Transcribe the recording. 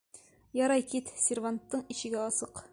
Ярай, кит. Серванттың ишеге асыҡ!